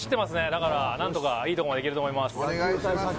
だからなんとかいいところまでいけると思います。